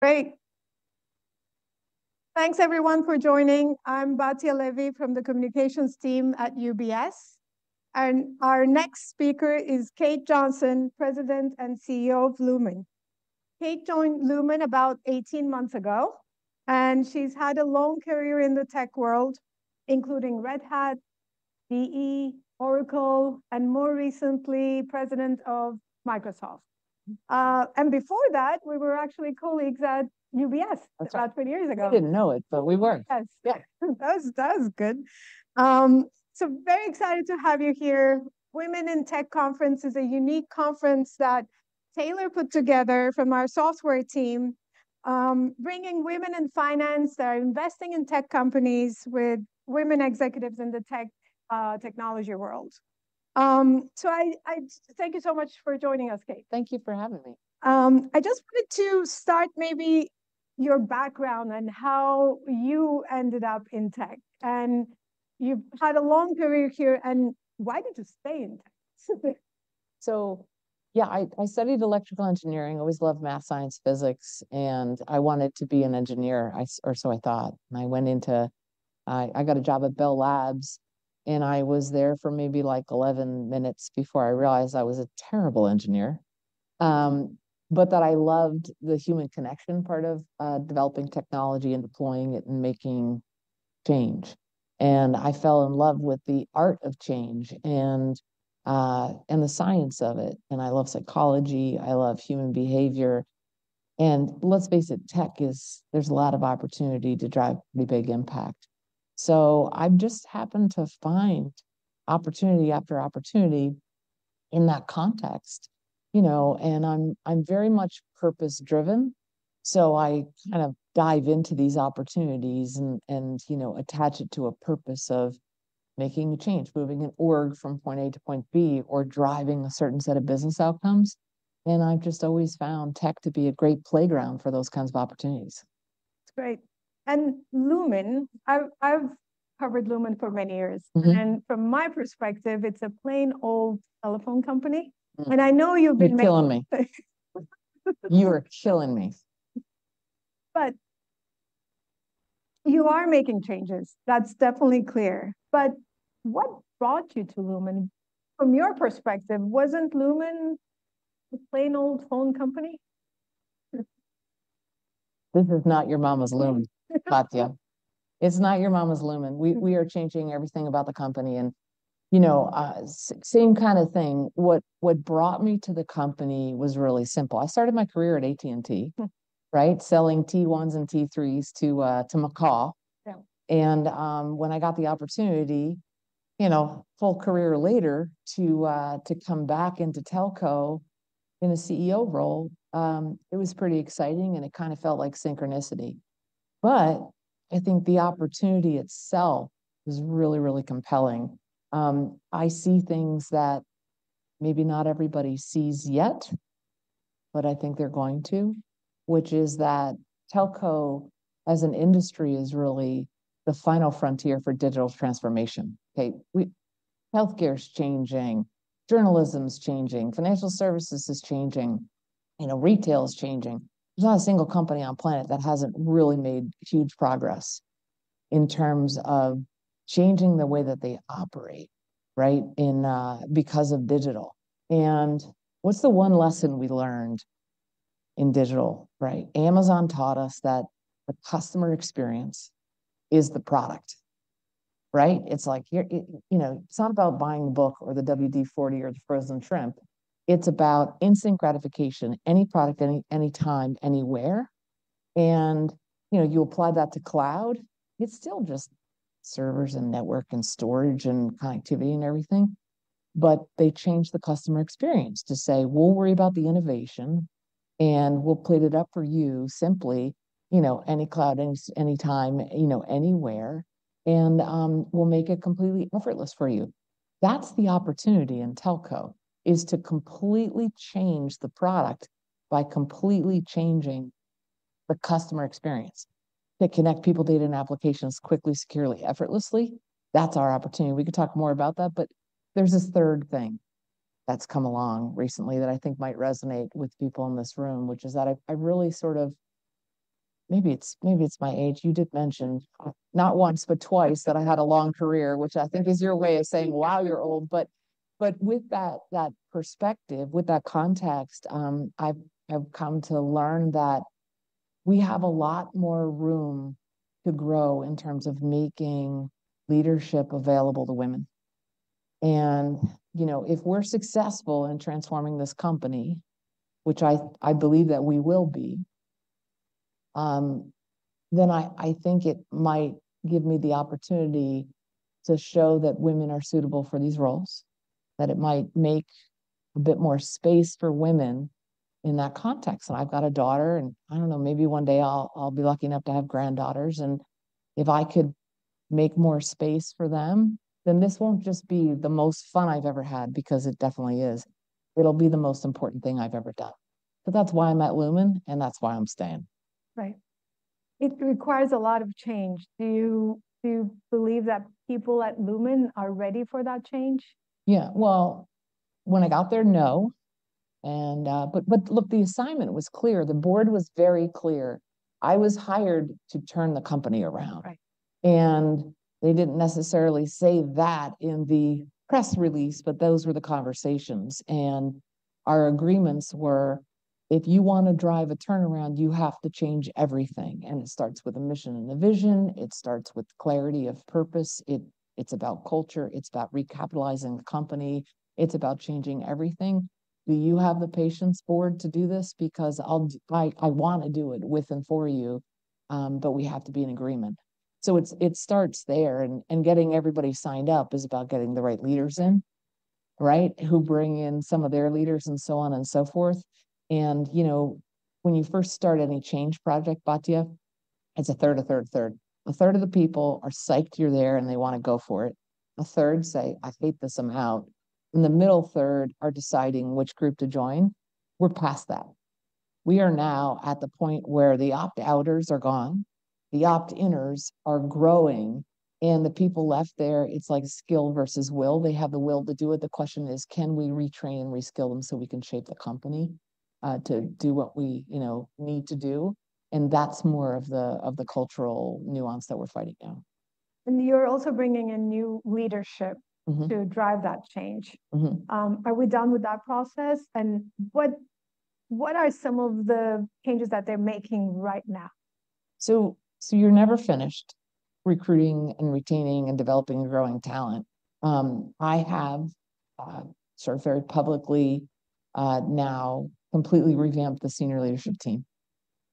Great! Thanks everyone for joining. I'm Batya Levi from the communications team at UBS, and our next speaker is Kate Johnson, President and CEO of Lumen. Kate joined Lumen about 18 months ago, and she's had a long career in the tech world, including Red Hat, GE, Oracle, and more recently, President of Microsoft. And before that, we were actually colleagues at UBS. That's right. About 20 years ago. We didn't know it, but we were. Yes. Yeah. That was, that was good. So very excited to have you here. Women in Tech Conference is a unique conference that Taylor put together from our software team, bringing women in finance that are investing in tech companies with women executives in the tech, technology world. So I thank you so much for joining us, Kate. Thank you for having me. I just wanted to start maybe your background and how you ended up in tech, and you've had a long career here, and why did you stay in tech? So yeah, I studied electrical engineering. I always loved math, science, physics, and I wanted to be an engineer, or so I thought. I got a job at Bell Labs, and I was there for maybe like 11 minutes before I realized I was a terrible engineer. But that I loved the human connection part of developing technology and deploying it and making change. I fell in love with the art of change and the science of it. I love psychology, I love human behavior, and let's face it, tech, there's a lot of opportunity to drive the big impact. So I've just happened to find opportunity after opportunity in that context, you know, and I'm very much purpose-driven, so I kind of dive into these opportunities and, you know, attach it to a purpose of making a change, moving an org from point A to point B, or driving a certain set of business outcomes. And I've just always found tech to be a great playground for those kinds of opportunities. That's great. And Lumen, I've covered Lumen for many years. Mm-hmm. From my perspective, it's a plain old telephone company. Mm. And I know you've been- You're killing me. You are killing me. You are making changes. That's definitely clear. What brought you to Lumen? From your perspective, wasn't Lumen a plain old phone company? This is not your mama's Lumen, Batya. It's not your mama's Lumen. We are changing everything about the company and, you know, same kind of thing. What brought me to the company was really simple. I started my career at AT&T- Mm. Right? Selling T1s and T3s to McCaw. Yeah. When I got the opportunity, you know, whole career later, to, to come back into telco in a CEO role, it was pretty exciting, and it kind of felt like synchronicity. But I think the opportunity itself was really, really compelling. I see things that maybe not everybody sees yet, but I think they're going to, which is that telco as an industry is really the final frontier for digital transformation, okay? Healthcare is changing, journalism is changing, financial services is changing, you know, retail is changing. There's not a single company on the planet that hasn't really made huge progress in terms of changing the way that they operate, right? In, because of digital. And what's the one lesson we learned in digital, right? Amazon taught us that the customer experience is the product, right? It's like, here, you know, it's not about buying the book or the WD-40 or the frozen shrimp. It's about instant gratification, any product, anytime, anywhere. And, you know, you apply that to cloud, it's still just servers and network and storage and connectivity and everything, but they changed the customer experience to say: "We'll worry about the innovation, and we'll plate it up for you simply, you know, any cloud, anytime, you know, anywhere, and we'll make it completely effortless for you." That's the opportunity in telco, is to completely change the product by completely changing the customer experience, to connect people, data, and applications quickly, securely, effortlessly. That's our opportunity. We could talk more about that, but there's this third thing that's come along recently that I think might resonate with people in this room, which is that I really sort of... Maybe it's my age. You did mention, not once, but twice, that I had a long career, which I think is your way of saying: "Wow, you're old." But with that perspective, with that context, I've come to learn that we have a lot more room to grow in terms of making leadership available to women. And, you know, if we're successful in transforming this company, which I believe that we will be, then I think it might give me the opportunity to show that women are suitable for these roles, that it might make a bit more space for women in that context. I've got a daughter, and I don't know, maybe one day I'll, I'll be lucky enough to have granddaughters, and if I could make more space for them, then this won't just be the most fun I've ever had, because it definitely is, it'll be the most important thing I've ever done. But that's why I'm at Lumen, and that's why I'm staying. Right... it requires a lot of change. Do you, do you believe that people at Lumen are ready for that change? Yeah. Well, when I got there, but look, the assignment was clear. The Board was very clear. I was hired to turn the company around. Right. They didn't necessarily say that in the press release, but those were the conversations, and our agreements were, if you wanna drive a turnaround, you have to change everything, and it starts with a mission and a vision. It starts with clarity of purpose. It, it's about culture. It's about recapitalizing the company. It's about changing everything. Do you have the patience, board, to do this? Because I'll, I wanna do it with and for you, but we have to be in agreement. So it starts there, and getting everybody signed up is about getting the right leaders in, right? Who bring in some of their leaders and so on and so forth. And, you know, when you first start any change project, Batya, it's a third, a third, a third. A third of the people are psyched you're there, and they wanna go for it. A third say, "I hate this; I'm out." The middle third are deciding which group to join. We're past that. We are now at the point where the opt-outers are gone, the opt-inners are growing, and the people left there, it's like skill versus will. They have the will to do it. The question is, can we retrain and reskill them so we can shape the company to do what we, you know, need to do? That's more of the, of the cultural nuance that we're fighting now. And you're also bringing in new leadership- Mm-hmm. to drive that change. Mm-hmm. Are we done with that process? And what are some of the changes that they're making right now? So you're never finished recruiting and retaining and developing and growing talent. I have sort of very publicly now completely revamped the senior leadership team,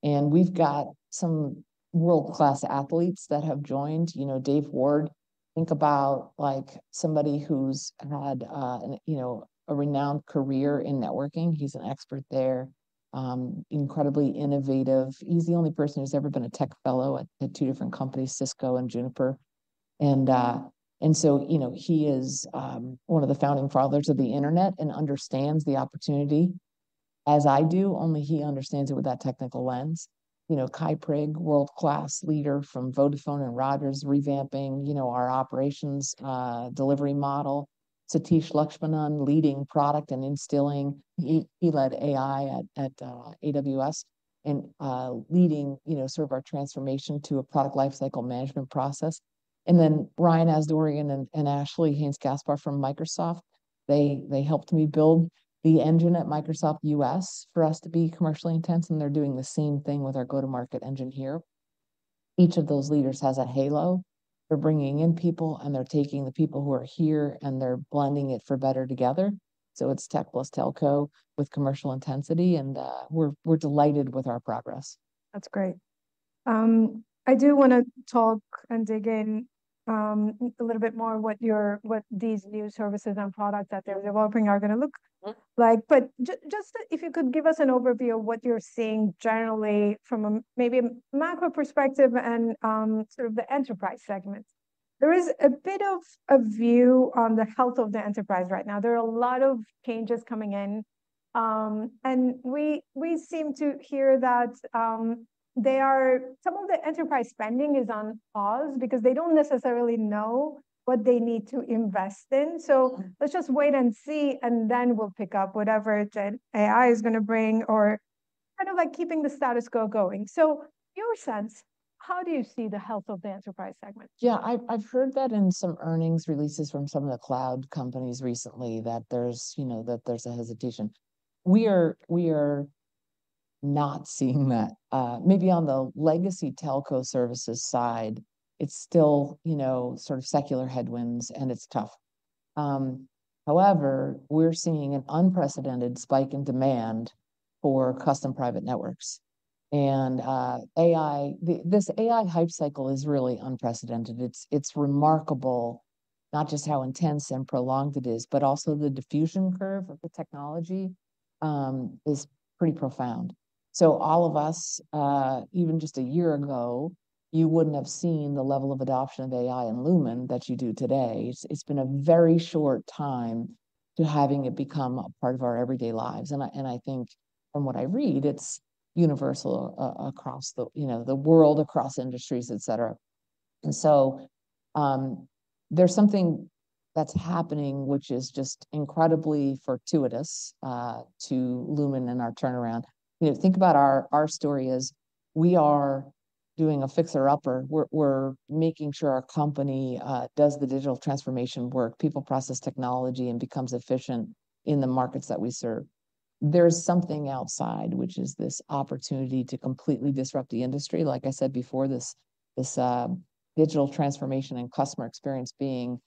and we've got some world-class athletes that have joined. You know, Dave Ward, think about like somebody who's had you know a renowned career in networking. He's an expert there, incredibly innovative. He's the only person who's ever been a tech fellow at two different companies, Cisco and Juniper. And so you know he is one of the founding fathers of the internet and understands the opportunity as I do, only he understands it with that technical lens. You know, Kye Prigg, world-class leader from Vodafone and Rogers, revamping you know our operations delivery model. Satish Lakshmanan, leading product and instilling... He led AI at AWS, and leading, you know, sort of our transformation to a product lifecycle management process. And then Ryan Asdourian and Ashley Haynes-Gaspar from Microsoft, they helped me build the engine at Microsoft U.S. for us to be commercially intense, and they're doing the same thing with our go-to-market engine here. Each of those leaders has a halo. They're bringing in people, and they're taking the people who are here, and they're blending it for better together. So it's tech plus telco with commercial intensity, and we're delighted with our progress. That's great. I do wanna talk and dig in, a little bit more what your-- what these new services and products that- Mm-hmm. They're developing are gonna look like. But just if you could give us an overview of what you're seeing generally from a maybe a macro perspective and, sort of the enterprise segment. There is a bit of a view on the health of the enterprise right now. There are a lot of changes coming in, and we, we seem to hear that, they are some of the enterprise spending is on pause because they don't necessarily know what they need to invest in. Mm-hmm. Let's just wait and see, and then we'll pick up whatever the AI is gonna bring or kind of like keeping the status quo going. Your sense, how do you see the health of the enterprise segment? Yeah, I've heard that in some earnings releases from some of the cloud companies recently, you know, that there's a hesitation. We are not seeing that. Maybe on the legacy telco services side, it's still, you know, sort of secular headwinds, and it's tough. However, we're seeing an unprecedented spike in demand for custom private networks and AI. This AI hype cycle is really unprecedented. It's remarkable, not just how intense and prolonged it is, but also the diffusion curve of the technology is pretty profound. So all of us, even just a year ago, you wouldn't have seen the level of adoption of AI in Lumen that you do today. It's been a very short time to having it become a part of our everyday lives, and I think from what I read, it's universal across the, you know, the world, across industries, et cetera. And so, there's something that's happening, which is just incredibly fortuitous to Lumen and our turnaround. You know, think about our story is we are doing a fixer-upper. We're making sure our company does the digital transformation work, people, process, technology, and becomes efficient in the markets that we serve. There's something outside, which is this opportunity to completely disrupt the industry. Like I said before, this digital transformation and customer experience being,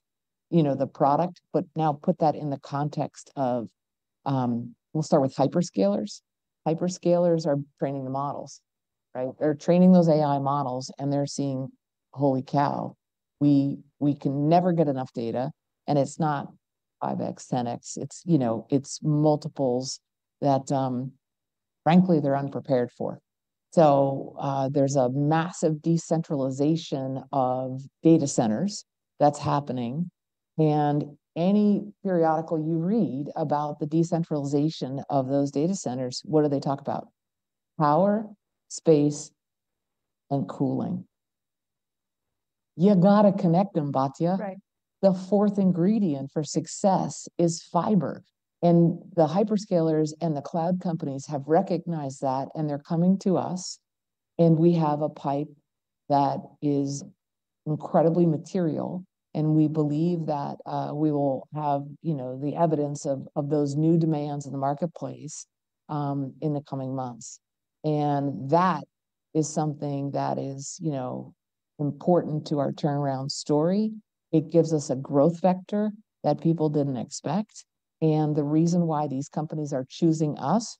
you know, the product. But now put that in the context of, we'll start with hyperscalers. Hyperscalers are training the models, right? They're training those AI models, and they're seeing, "Holy cow, we, we can never get enough data," and it's not 5x, 10x. It's, you know, it's multiples that, frankly, they're unprepared for. So, there's a massive decentralization of data centers that's happening and any periodical you read about the decentralization of those data centers, what do they talk about? Power, space, and cooling. You gotta connect them, Batya. Right. The fourth ingredient for success is fiber, and the hyperscalers and the cloud companies have recognized that, and they're coming to us, and we have a pipe that is incredibly material, and we believe that we will have, you know, the evidence of those new demands in the marketplace in the coming months. And that is something that is, you know, important to our turnaround story. It gives us a growth vector that people didn't expect, and the reason why these companies are choosing us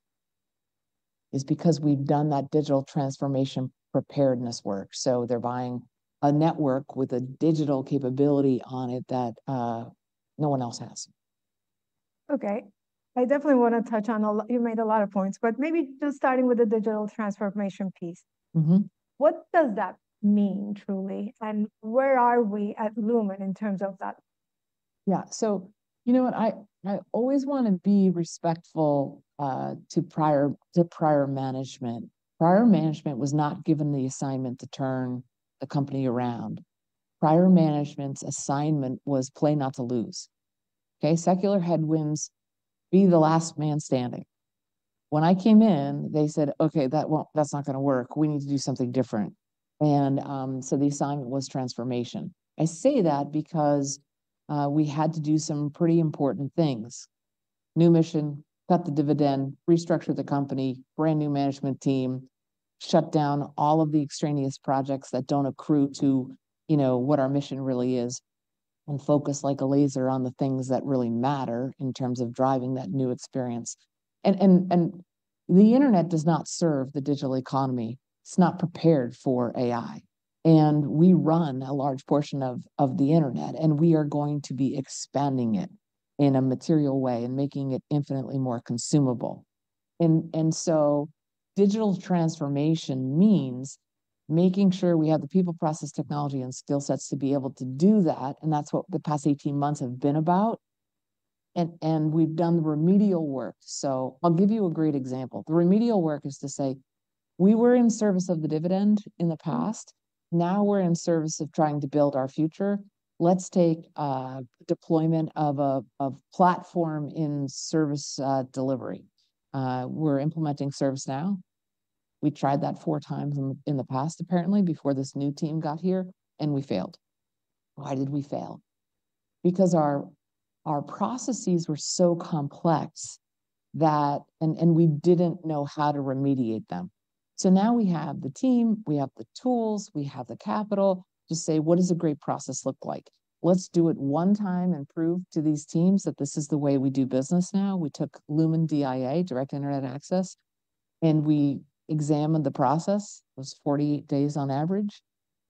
is because we've done that digital transformation preparedness work. So they're buying a network with a digital capability on it that no one else has. Okay. I definitely wanna touch on a lot. You made a lot of points, but maybe just starting with the digital transformation piece. Mm-hmm. What does that mean, truly, and where are we at Lumen in terms of that? Yeah. So, you know what? I always wanna be respectful to prior management. Prior management was not given the assignment to turn the company around. Prior management's assignment was play not to lose, okay? Secular headwinds, be the last man standing. When I came in, they said: "Okay, that won't. That's not gonna work. We need to do something different," and so the assignment was transformation. I say that because we had to do some pretty important things: new mission, cut the dividend, restructure the company, brand-new management team, shut down all of the extraneous projects that don't accrue to, you know, what our mission really is, and focus like a laser on the things that really matter in terms of driving that new experience. And the internet does not serve the digital economy. It's not prepared for AI, and we run a large portion of the internet, and we are going to be expanding it in a material way and making it infinitely more consumable. And so digital transformation means making sure we have the people, process, technology, and skill sets to be able to do that, and that's what the past 18 months have been about, and we've done the remedial work. So I'll give you a great example. The remedial work is to say we were in service of the dividend in the past. Now, we're in service of trying to build our future. Let's take deployment of a platform in service delivery. We're implementing ServiceNow. We tried that 4 times in the past, apparently, before this new team got here, and we failed. Why did we fail? Because our processes were so complex that and we didn't know how to remediate them. So now we have the team, we have the tools, we have the capital to say, "What does a great process look like? Let's do it one time and prove to these teams that this is the way we do business now." We took Lumen DIA, Direct Internet Access, and we examined the process. It was 48 days on average.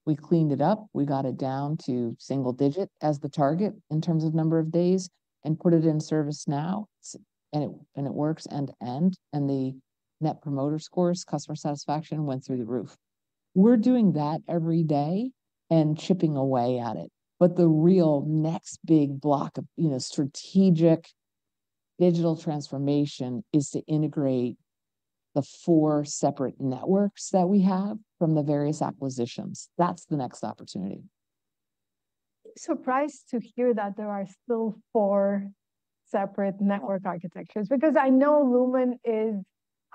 We cleaned it up. We got it down to single digit as the target in terms of number of days and put it in ServiceNow, and it works end to end, and the Net Promoter Scores, customer satisfaction went through the roof. We're doing that every day and chipping away at it, but the real next big block of, you know, strategic digital transformation is to integrate the four separate networks that we have from the various acquisitions. That's the next opportunity. Surprised to hear that there are still four separate network architectures because I know Lumen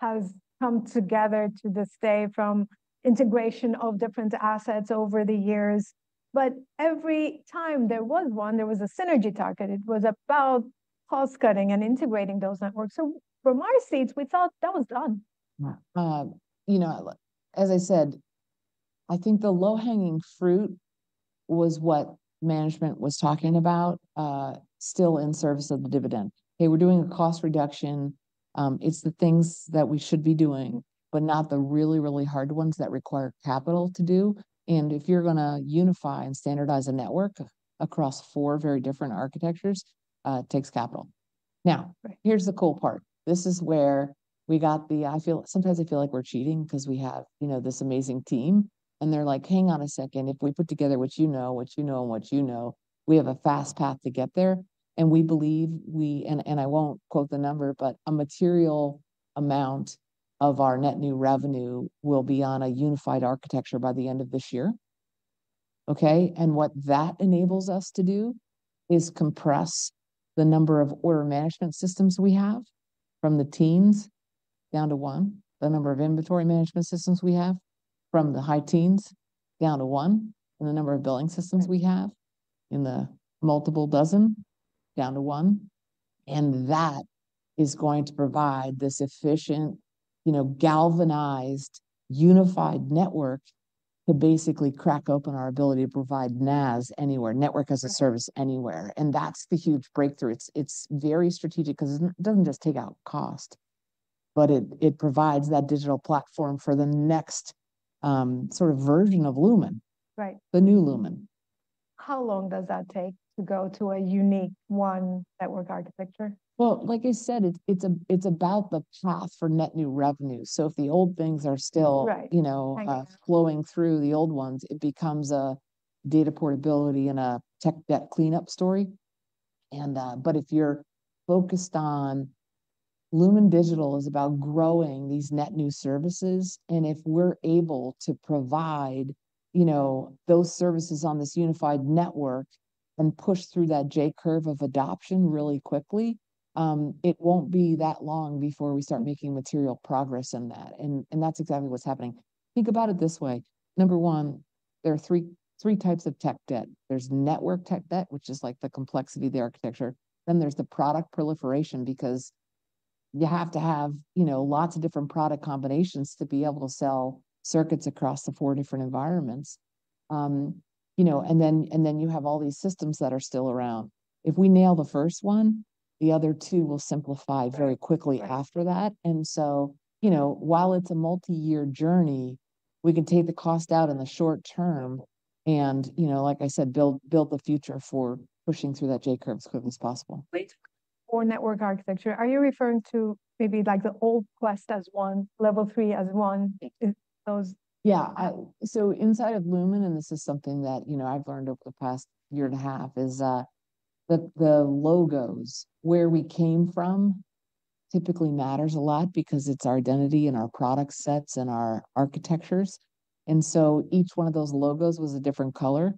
has come together to this day from integration of different assets over the years. But every time there was one, there was a synergy target. It was about cost-cutting and integrating those networks. So from our seats, we thought that was done. Yeah, you know, as I said, I think the low-hanging fruit was what management was talking about, still in service of the dividend. "Hey, we're doing a cost reduction. It's the things that we should be doing, but not the really, really hard ones that require capital to do." And if you're gonna unify and standardize a network across four very different architectures, it takes capital. Now, here's the cool part. This is where we got the, I feel, sometimes I feel like we're cheating 'cause we have, you know, this amazing team, and they're like: "Hang on a second. If we put together what you know, what you know, and what you know, we have a fast path to get there," and we believe we... and I won't quote the number, but a material amount of our net new revenue will be on a unified architecture by the end of this year, okay? And what that enables us to do is compress the number of order management systems we have from the teens down to one, the number of inventory management systems we have from the high teens down to one, and the number of billing systems we have in the multiple dozen down to one, and that is going to provide this efficient, you know, galvanized, unified network to basically crack open our ability to provide NaaS anywhere, network as a service anywhere. That's the huge breakthrough. It's very strategic 'cause it doesn't just take out cost, but it provides that digital platform for the next sort of version of Lumen. Right. The new Lumen. How long does that take to go to a unique one network architecture? Well, like I said, it's about the path for net new revenue. So if the old things are still- Right.... you know- I know.... flowing through the old ones, it becomes a data portability and a tech debt cleanup story. And, but if you're focused on-... Lumen Digital is about growing these net new services, and if we're able to provide, you know, those services on this unified network and push through that J-curve of adoption really quickly, it won't be that long before we start making material progress in that. And that's exactly what's happening. Think about it this way: number one, there are three types of tech debt. There's network tech debt, which is, like, the complexity of the architecture, then there's the product proliferation because you have to have, you know, lots of different product combinations to be able to sell circuits across the four different environments. You know, and then you have all these systems that are still around. If we nail the first one, the other two will simplify very quickly after that. And so, you know, while it's a multi-year journey, we can take the cost out in the short term and, you know, like I said, build, build the future for pushing through that J-curve as quickly as possible. Right. For network architecture, are you referring to maybe, like, the old Qwest as one, Level 3 as one, those? Yeah, so inside of Lumen, and this is something that, you know, I've learned over the past year and a half, is, the, the logos, where we came from typically matters a lot because it's our identity and our product sets and our architectures. And so each one of those logos was a different color,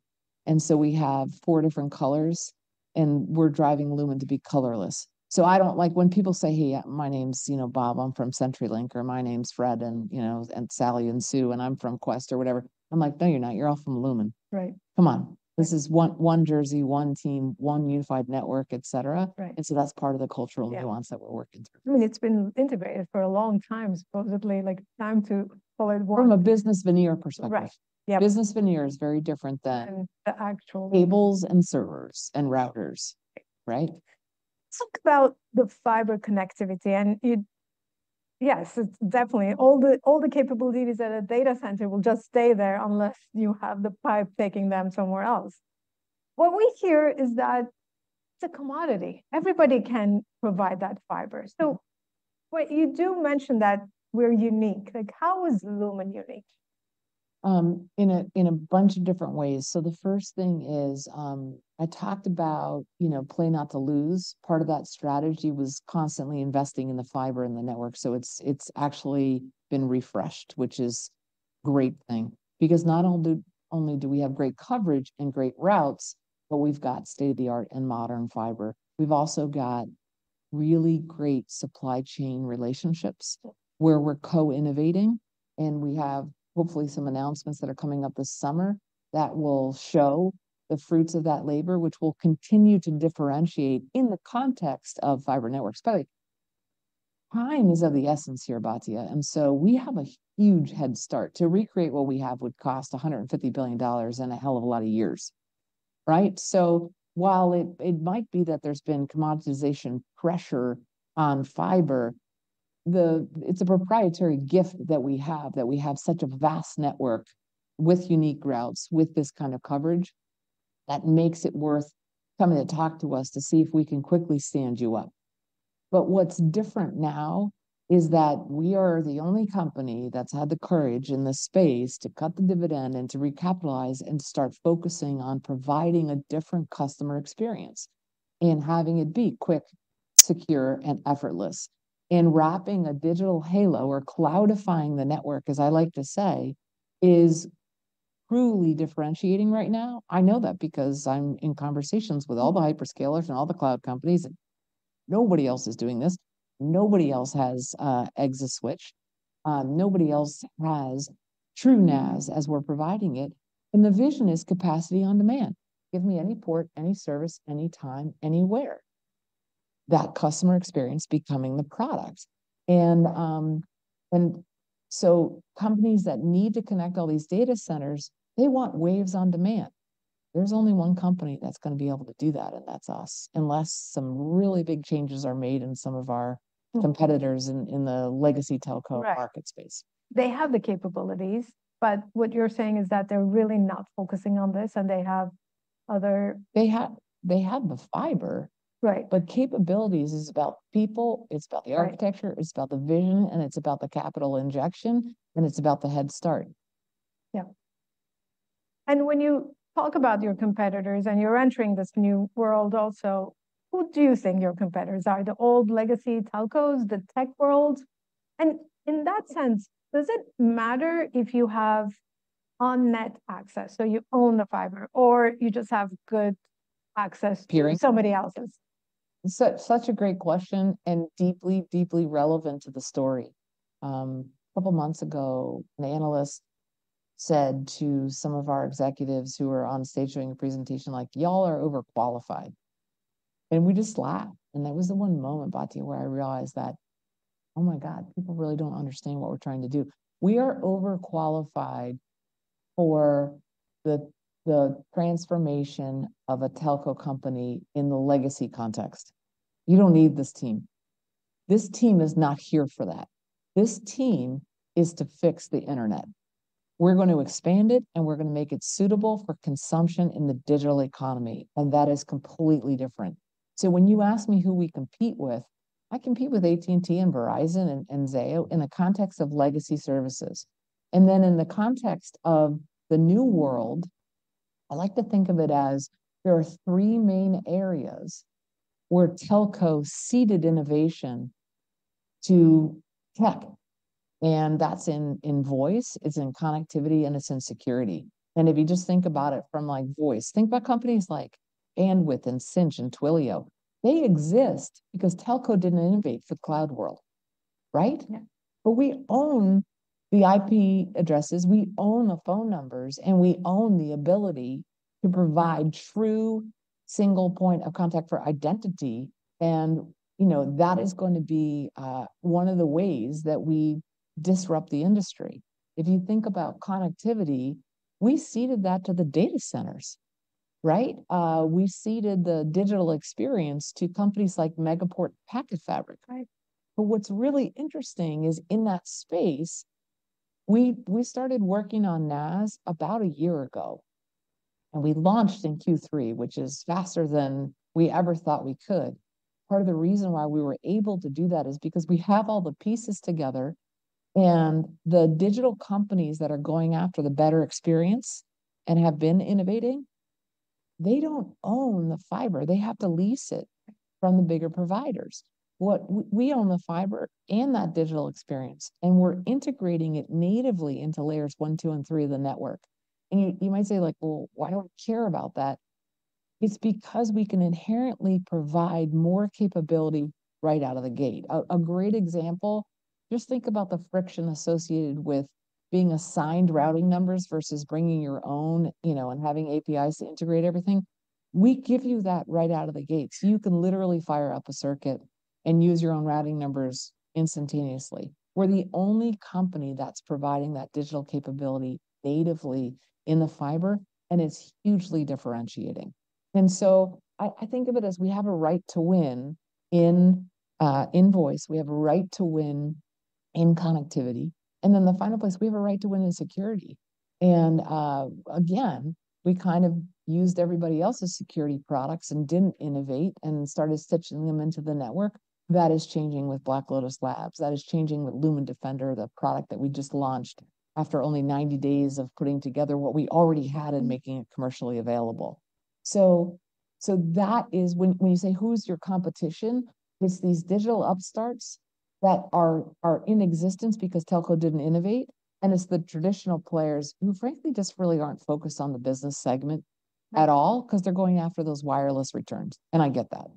and so we have four different colors, and we're driving Lumen to be colorless. So I don't like when people say, "Hey, my name's, you know, Bob, I'm from CenturyLink," or, "My name's Fred, and, you know," and Sally and Sue, "and I'm from Qwest," or whatever. I'm like, "No, you're not. You're all from Lumen. Right. Come on, this is one, one jersey, one team, one unified network, et cetera. Right. And so that's part of the cultural- Yeah.... nuance that we're working through. I mean, it's been integrated for a long time, supposedly, like, time to call it one. From a business veneer perspective. Right, yeah. Business veneer is very different than- Than the actual..... cables and servers and routers. Right. Right? Talk about the fiber connectivity. Yes, it's definitely. All the capabilities at a data center will just stay there unless you have the pipe taking them somewhere else. What we hear is that it's a commodity. Everybody can provide that fiber. So what you do mention that we're unique, like, how is Lumen unique? In a bunch of different ways. So the first thing is, I talked about, you know, play not to lose. Part of that strategy was constantly investing in the fiber and the network, so it's actually been refreshed, which is great thing. Because not only do we have great coverage and great routes, but we've got state-of-the-art and modern fiber. We've also got really great supply chain relationships- Yeah.... where we're co-innovating, and we have hopefully some announcements that are coming up this summer that will show the fruits of that labor, which will continue to differentiate in the context of fiber networks. But time is of the essence here, Batya, and so we have a huge headstart. To recreate what we have would cost $150 billion and a hell of a lot of years, right? So while it might be that there's been commoditization pressure on fiber, it's a proprietary gift that we have, that we have such a vast network with unique routes, with this kind of coverage, that makes it worth coming to talk to us to see if we can quickly stand you up. But what's different now is that we are the only company that's had the courage in this space to cut the dividend and to recapitalize and start focusing on providing a different customer experience, and having it be quick, secure, and effortless. And wrapping a digital halo or cloudifying the network, as I like to say, is truly differentiating right now. I know that because I'm in conversations with all the hyperscalers and all the cloud companies, and nobody else is doing this. Nobody else has an ExaSwitch, nobody else has true NaaS as we're providing it, and the vision is capacity on demand. Give me any port, any service, anytime, anywhere. That customer experience becoming the product. And so companies that need to connect all these data centers, they want waves on demand. There's only one company that's gonna be able to do that, and that's us, unless some really big changes are made in some of our competitors in the legacy telco- Right.... market space. They have the capabilities, but what you're saying is that they're really not focusing on this, and they have other- They have, they have the fiber. Right. But capabilities is about people, it's about the architecture, it's about the vision, and it's about the capital injection, and it's about the head start. Yeah. And when you talk about your competitors and you're entering this new world also, who do you think your competitors are? The old legacy telcos, the tech world? And in that sense, does it matter if you have on-net access, so you own the fiber, or you just have good access- Peering?... to somebody else's? Such, such a great question, and deeply, deeply relevant to the story. A couple months ago, an analyst said to some of our executives who were on stage doing a presentation, like, "Y'all are overqualified." And we just laughed, and that was the one moment, Batya, where I realized that, "Oh, my God, people really don't understand what we're trying to do." We are overqualified for the transformation of a telco company in the legacy context. You don't need this team. This team is not here for that. This team is to fix the internet. We're going to expand it, and we're gonna make it suitable for consumption in the digital economy, and that is completely different. So when you ask me who we compete with, I compete with AT&T and Verizon and Zayo in the context of legacy services. Then in the context of the new world... I like to think of it as there are three main areas where telco ceded innovation to tech, and that's in, in voice, it's in connectivity, and it's in security. If you just think about it from, like, voice, think about companies like Bandwidth and Sinch and Twilio. They exist because telco didn't innovate for the cloud world, right? Yeah. But we own the IP addresses, we own the phone numbers, and we own the ability to provide true single point of contact for identity, and, you know, that is going to be one of the ways that we disrupt the industry. If you think about connectivity, we ceded that to the data centers, right? We ceded the digital experience to companies like Megaport, PacketFabric. Right. But what's really interesting is, in that space, we started working on NaaS about a year ago, and we launched in Q3, which is faster than we ever thought we could. Part of the reason why we were able to do that is because we have all the pieces together, and the digital companies that are going after the better experience and have been innovating, they don't own the fiber. They have to lease it from the bigger providers. What we own the fiber and that digital experience, and we're integrating it natively into layers one, two, and three of the network. And you might say, like, "Well, why do I care about that?" It's because we can inherently provide more capability right out of the gate. A great example, just think about the friction associated with being assigned routing numbers versus bringing your own, you know, and having APIs to integrate everything. We give you that right out of the gate, so you can literally fire up a circuit and use your own routing numbers instantaneously. We're the only company that's providing that digital capability natively in the fiber, and it's hugely differentiating. And so I, I think of it as we have a right to win in, in voice, we have a right to win in connectivity, and then the final place, we have a right to win in security. And, again, we kind of used everybody else's security products and didn't innovate and started stitching them into the network. That is changing with Black Lotus Labs. That is changing with Lumen Defender, the product that we just launched after only 90 days of putting together what we already had and making it commercially available. So, so that is when, when you say, "Who's your competition?" It's these digital upstarts that are in existence because telco didn't innovate, and it's the traditional players who frankly just really aren't focused on the business segment at all 'cause they're going after those wireless returns, and I get that,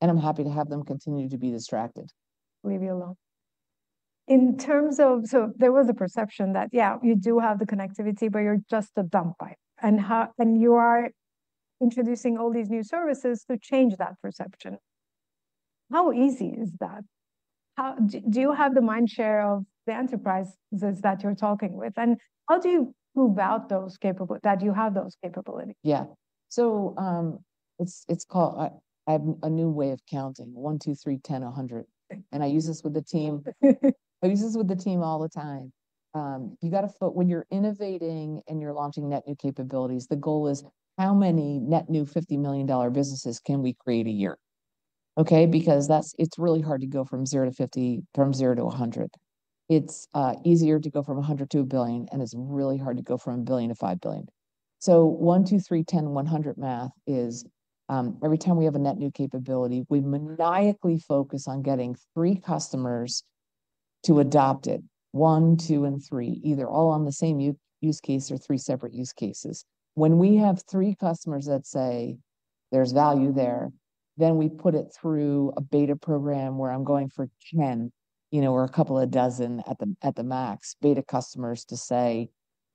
and I'm happy to have them continue to be distracted. Leave you alone. In terms of... So there was a perception that, yeah, you do have the connectivity, but you're just a dumb pipe, and you are introducing all these new services to change that perception. How easy is that? How... Do you have the mind share of the enterprises that you're talking with, and how do you prove out that you have those capabilities? Yeah. So, it's called, I have a new way of counting: 1, 2, 3, 10, 100. I use this with the team. I use this with the team all the time. When you're innovating and you're launching net new capabilities, the goal is: How many net new $50 million businesses can we create a year? Okay, because it's really hard to go from 0 to 50, from 0 to 100. It's easier to go from 100 to a billion, and it's really hard to go from a billion to 5 billion. So 1, 2, 3, 10, 100 math is, every time we have a net new capability, we maniacally focus on getting three customers to adopt it, 1, 2, and 3, either all on the same use case or three separate use cases. When we have three customers that say there's value there, then we put it through a beta program where I'm going for 10, you know, or a couple of dozen at the max, beta customers to say,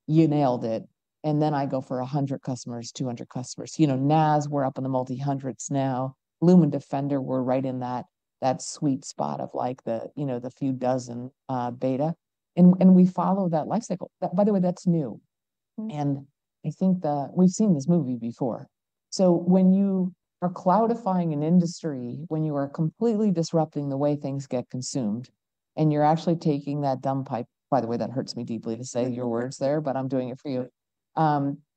"You nailed it," and then I go for 100 customers, 200 customers. You know, NaaS, we're up in the multi-hundreds now. Lumen Defender, we're right in that sweet spot of, like, the, you know, the few dozen beta, and we follow that life cycle. That, by the way, that's new. Mm. I think that we've seen this movie before. So when you are cloudifying an industry, when you are completely disrupting the way things get consumed, and you're actually taking that dumb pipe... By the way, that hurts me deeply to say your words there, but I'm doing it for you.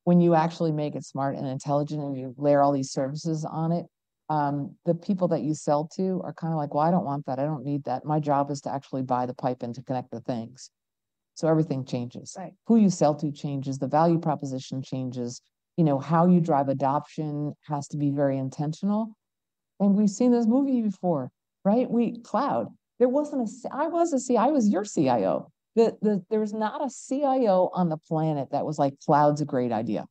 When you actually make it smart and intelligent and you layer all these services on it, the people that you sell to are kinda like, "Well, I don't want that. I don't need that. My job is to actually buy the pipe and to connect the things." So everything changes. Right. Who you sell to changes, the value proposition changes. You know, how you drive adoption has to be very intentional, and we've seen this movie before, right? Cloud, there wasn't a CIO. I was a CIO. I was your CIO. There's not a CIO on the planet that was like: "Cloud's a great idea.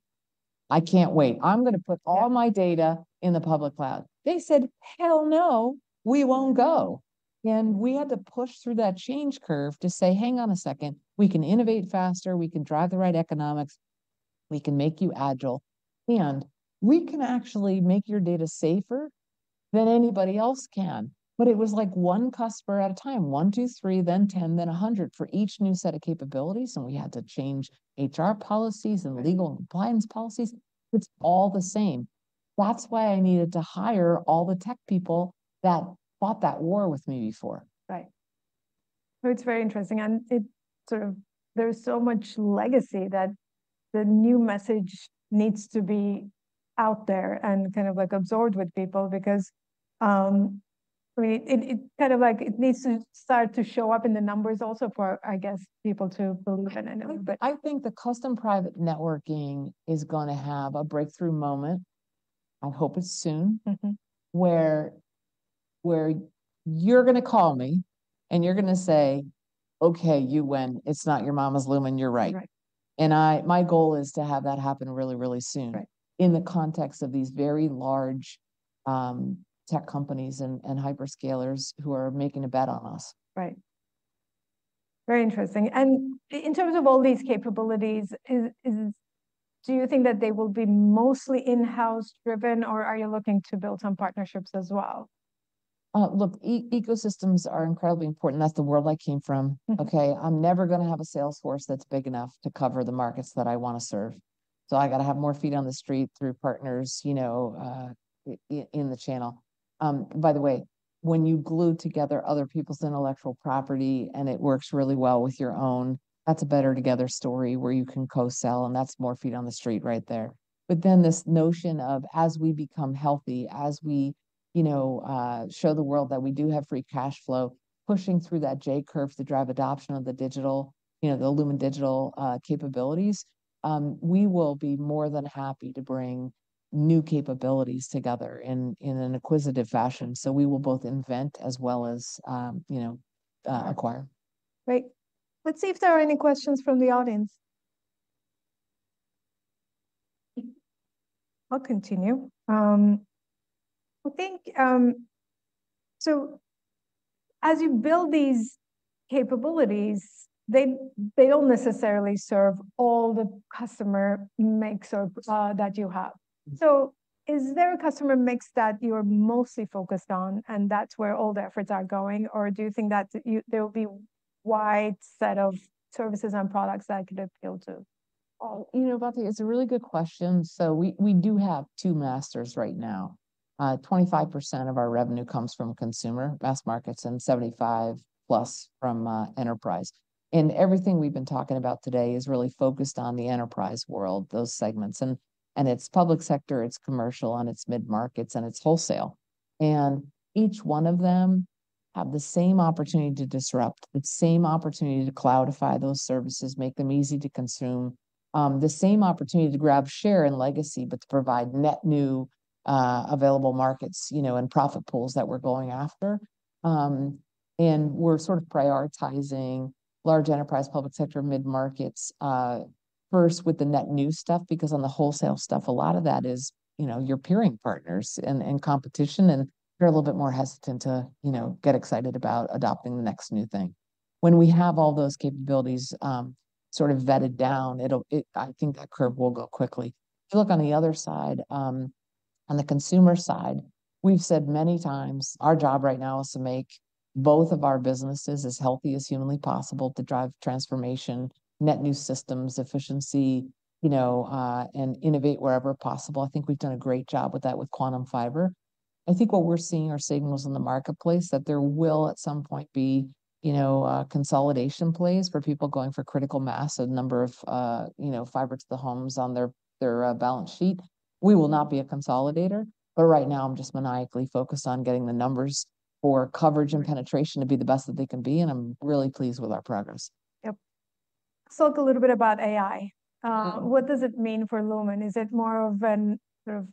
I can't wait. I'm gonna put all my data in the public cloud." They said, "Hell no, we won't go!" And we had to push through that change curve to say, "Hang on a second. We can innovate faster, we can drive the right economics, we can make you agile, and we can actually make your data safer than anybody else can." But it was, like, one customer at a time, 1, 2, 3, then 10, then 100 for each new set of capabilities, and we had to change HR policies and legal and compliance policies. It's all the same. That's why I needed to hire all the tech people that fought that war with me before. Right. So it's very interesting, and it sort of, there's so much legacy that the new message needs to be out there and kind of, like, absorbed with people because Great. It, it kind of like, it needs to start to show up in the numbers also for, I guess, people to believe in it, I know, but- I think the custom private networking is gonna have a breakthrough moment, I hope it's soon- Mm-hmm.... where you're gonna call me, and you're gonna say, "Okay, you win. It's not your mama's Lumen, you're right. Right. My goal is to have that happen really, really soon. in the context of these very large, tech companies and hyperscalers who are making a bet on us. Right. Very interesting. And in terms of all these capabilities, do you think that they will be mostly in-house driven, or are you looking to build on partnerships as well? Look, ecosystems are incredibly important. That's the world I came from. Mm. Okay? I'm never gonna have a sales force that's big enough to cover the markets that I wanna serve, so I gotta have more feet on the street through partners, you know, in the channel. By the way, when you glue together other people's intellectual property and it works really well with your own, that's a better-together story where you can co-sell, and that's more feet on the street right there. But then this notion of as we become healthy, as we, you know, show the world that we do have free cash flow, pushing through that J-curve to drive adoption of the digital, you know, the Lumen Digital capabilities, we will be more than happy to bring new capabilities together in an acquisitive fashion. So we will both invent as well as, you know, acquire. Great. Let's see if there are any questions from the audience. I'll continue. I think, as you build these capabilities, they, they don't necessarily serve all the customer mix or that you have. So is there a customer mix that you're mostly focused on, and that's where all the efforts are going, or do you think that there will be wide set of services and products that it could appeal to? You know, Batya, it's a really good question. So we do have two masters right now. 25% of our revenue comes from consumer, mass markets, and 75+% from enterprise. And everything we've been talking about today is really focused on the enterprise world, those segments, and it's public sector, it's commercial, and it's mid-markets, and it's wholesale. And each one of them have the same opportunity to disrupt, the same opportunity to cloudify those services, make them easy to consume, the same opportunity to grab share and legacy, but to provide net new available markets, you know, and profit pools that we're going after. And we're sort of prioritizing large enterprise, public sector, mid-markets, first with the net new stuff, because on the wholesale stuff, a lot of that is, you know, your peering partners and, and competition, and they're a little bit more hesitant to, you know, get excited about adopting the next new thing. When we have all those capabilities, sort of vetted down, it'll, I think that curve will go quickly. If you look on the other side, on the consumer side, we've said many times, our job right now is to make both of our businesses as healthy as humanly possible to drive transformation, net new systems, efficiency, you know, and innovate wherever possible. I think we've done a great job with that with Quantum Fiber. I think what we're seeing are signals in the marketplace that there will, at some point, be, you know, consolidation plays for people going for critical mass, a number of, you know, fiber to the homes on their balance sheet. We will not be a consolidator, but right now, I'm just maniacally focused on getting the numbers for coverage and penetration to be the best that they can be, and I'm really pleased with our progress. Yep. Let's talk a little bit about AI. Mm-hmm. What does it mean for Lumen? Is it more of a sort of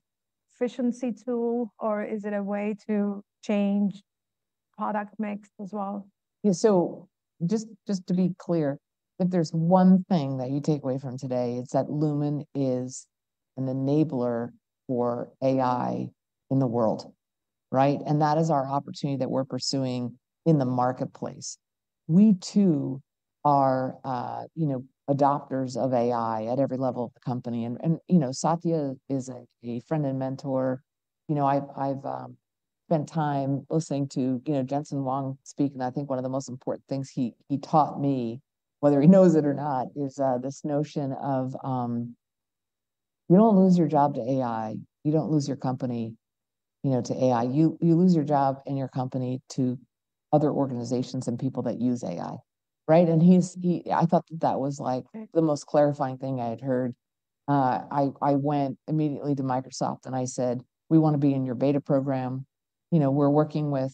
efficiency tool, or is it a way to change product mix as well? Yeah, so just, just to be clear, if there's one thing that you take away from today, it's that Lumen is an enabler for AI in the world, right? And that is our opportunity that we're pursuing in the marketplace. We, too, are, you know, adopters of AI at every level of the company. And, and, you know, Satya is a, a friend and mentor. You know, I've, I've, spent time listening to, you know, Jensen Huang speak, and I think one of the most important things he, he taught me, whether he knows it or not, is, this notion of, you don't lose your job to AI, you don't lose your company, you know, to AI. You, you lose your job and your company to other organizations and people that use AI, right? And he's, he-- I thought that that was, like- Right.... the most clarifying thing I had heard. I went immediately to Microsoft, and I said, "We wanna be in your beta program." You know, we're working with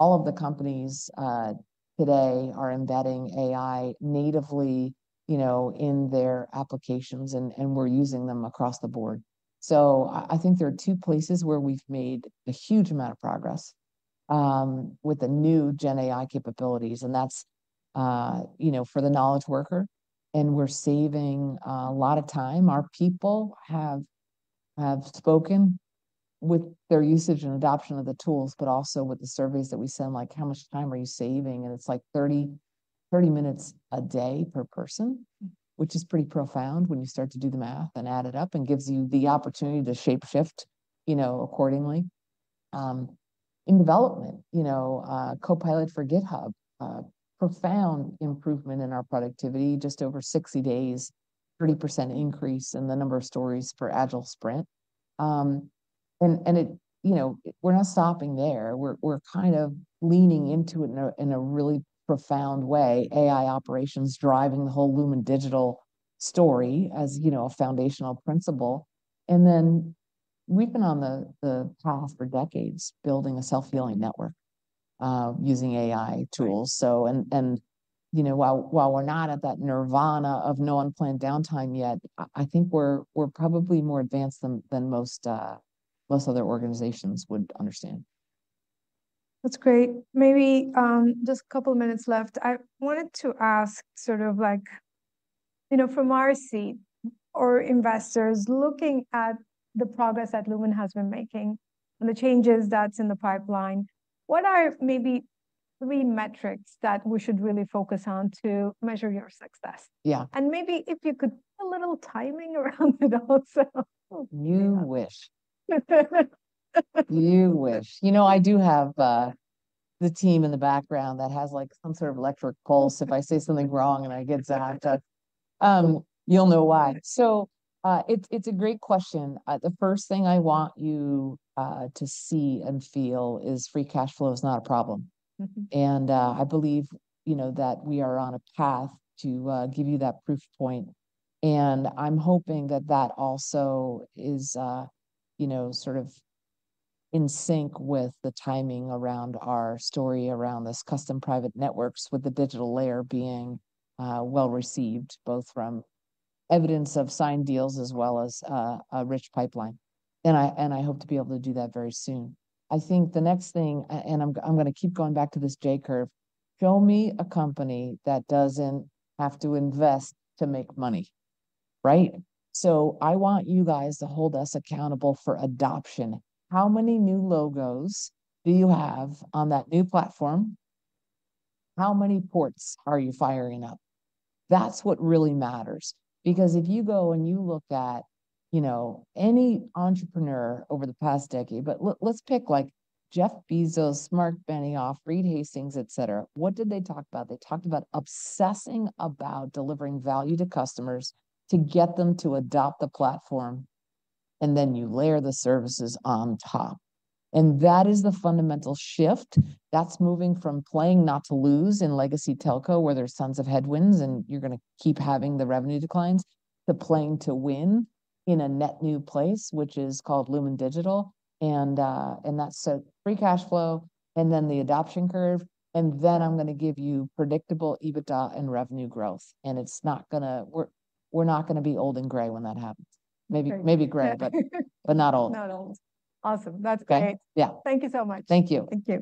all of the companies today are embedding AI natively, you know, in their applications, and we're using them across the board. So I think there are two places where we've made a huge amount of progress with the new gen AI capabilities, and that's you know, for the knowledge worker, and we're saving a lot of time. Our people have spoken with their usage and adoption of the tools, but also with the surveys that we send, like, "How much time are you saving?" And it's like 30, 30 minutes a day per person which is pretty profound when you start to do the math and add it up, and gives you the opportunity to shape-shift, you know, accordingly. In development, you know, Copilot for GitHub, a profound improvement in our productivity. Just over 60 days, 30% increase in the number of stories for Agile Sprint. And it-- you know, we're not stopping there. We're kind of leaning into it in a really profound way, AI operations driving the whole Lumen Digital story, as you know, a foundational principle.... And then we've been on the path for decades, building a self-healing network using AI tools. So, you know, while we're not at that nirvana of no unplanned downtime yet, I think we're probably more advanced than most other organizations would understand. That's great. Maybe just a couple minutes left. I wanted to ask sort of like, you know, from our seat or investors looking at the progress that Lumen has been making and the changes that's in the pipeline, what are maybe three metrics that we should really focus on to measure your success? Yeah. Maybe if you could put a little timing around it also. You wish. You wish. You know, I do have the team in the background that has, like, some sort of electric pulse if I say something wrong, and I get zapped. You'll know why. So, it's a great question. The first thing I want you to see and feel is free cash flow is not a problem. Mm-hmm. And, I believe, you know, that we are on a path to give you that proof point, and I'm hoping that that also is, you know, sort of in sync with the timing around our story, around this custom private networks, with the digital layer being well-received, both from evidence of signed deals as well as a rich pipeline, and I, and I hope to be able to do that very soon. I think the next thing, and I'm, I'm gonna keep going back to this J-curve, show me a company that doesn't have to invest to make money, right? So I want you guys to hold us accountable for adoption. How many new logos do you have on that new platform? How many ports are you firing up? That's what really matters because if you go and you look at, you know, any entrepreneur over the past decade. But let's pick, like, Jeff Bezos, Marc Benioff, Reed Hastings, et cetera. What did they talk about? They talked about obsessing about delivering value to customers to get them to adopt the platform, and then you layer the services on top, and that is the fundamental shift. That's moving from playing not to lose in legacy telco, where there's tons of headwinds, and you're gonna keep having the revenue declines, to playing to win in a net new place, which is called Lumen Digital. And, and that's so free cash flow, and then the adoption curve, and then I'm gonna give you predictable EBITDA and revenue growth, and it's not gonna, we're not gonna be old and gray when that happens. Maybe gray...but not old. Not old. Awesome. That's great. Okay. Yeah. Thank you so much. Thank you. Thank you.